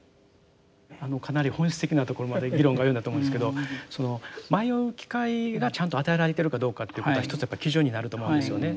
かなり本質的なところまで議論が及んだと思うんですけど迷う機会がちゃんと与えられてるかどうかということは一つやっぱり基準になると思うんですよね。